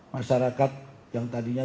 masyarakat yang tadinya